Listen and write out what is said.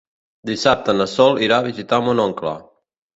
Dissabte na Sol irà a visitar mon oncle.